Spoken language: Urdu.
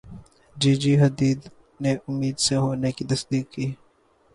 جی جی حدید نے امید سے ہونے کی تصدیق کردی